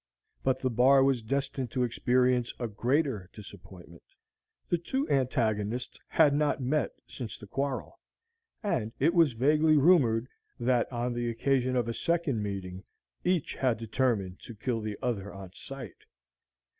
But the Bar was destined to experience a greater disappointment. The two antagonists had not met since the quarrel, and it was vaguely rumored that, on the occasion of a second meeting, each had determined to kill the other "on sight."